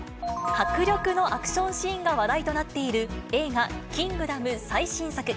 迫力のアクションシーンが話題となっている映画、キングダム最新作。